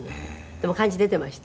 でも、感じ出てました？